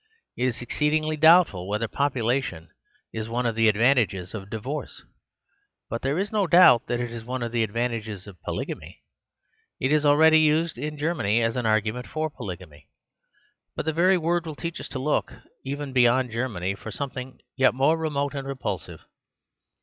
It is exceedingly doubtful whether population is one of the advantages of divorce; but there is no doubt that it is one of the advantages of polygamy. It is already used in Germany as an argument for polygamy. But the very word will teach us to look even beyond Germany for something yet more remote and repulsive.